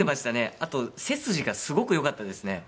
あと背筋がすごく良かったですね。